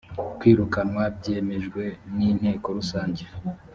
kwirukanwa byemejwe n inteko rusange